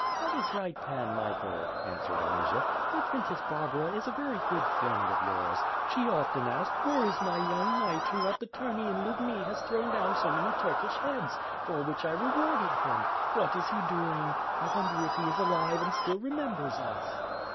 "That is right. Pan Michael," answered Anusia, "for Prin cess Barbara is a very good friend of yours. She often asked Vhere is my young knight who at the tourney in Lubni has thrown down so many Turkish heads, for which I rewarded him? What is he doing? I wonder if he is alive and still re members us?